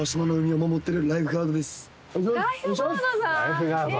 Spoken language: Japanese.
ライフガードさん？